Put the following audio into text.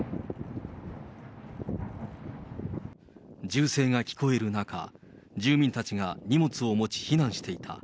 銃声が聞こえる中、住民たちが荷物を持ち、避難していた。